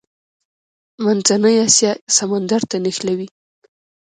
منځنۍ اسیا سمندر ته نښلوي.